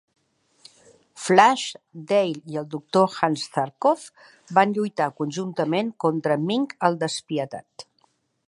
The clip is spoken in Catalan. Flash, Dale i el Doctor Hans Zarkov van lluitar conjuntament contra Ming el Despietat.